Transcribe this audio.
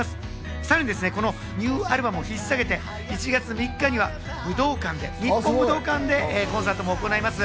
さらにこのニューアルバムを引っ提げて、１月３日には武道館で、日本武道館でコンサートも行います。